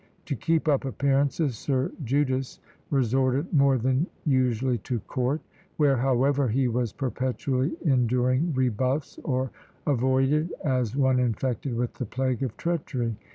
To keep up appearances, Sir Judas resorted more than usually to court; where, however, he was perpetually enduring rebuffs, or avoided, as one infected with the plague of treachery.